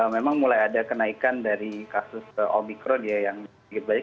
memang mulai ada kenaikan dari kasus omikron yang sedikit banyak